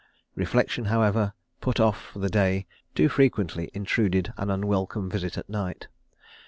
Reflection, however, put off for the day, too frequently intruded an unwelcome visit at night.